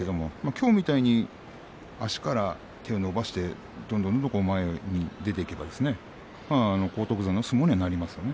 きょうのように足から手を出してどんどん前に出ていけば荒篤山の相撲になると思います。